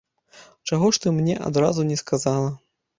Чаго ж ты мне адразу не сказала?